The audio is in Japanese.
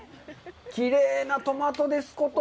きれいなトマトですこと。